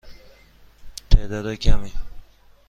تعداد کمی.